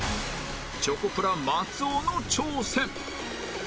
チョコプラ松尾の挑戦